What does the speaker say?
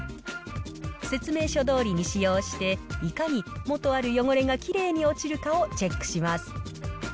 説明書どおりに使用して、いかに元ある汚れがきれいに落ちるかをチェックします。